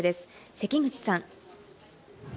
関口さん。